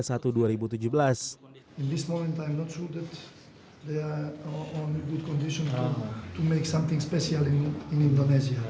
pada saat ini saya nggak yakin mereka berada di kondisi yang baik untuk membuat sesuatu yang spesial di indonesia